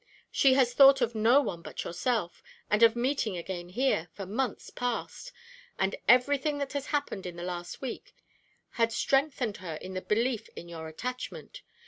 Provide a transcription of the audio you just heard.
She has thought of no one but yourself, and of meeting again here, for months past, and everything that has happened in the last week had strengthened her in her belief in your attachment.